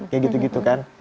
kayak gitu gitu kan